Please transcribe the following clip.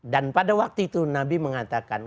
dan pada waktu itu nabi mengatakan